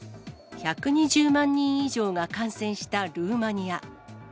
１２０万人以上が感染したルーマニア。